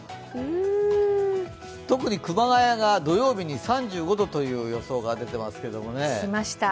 特に熊谷が土曜日に３５度という予想が出てますけどね。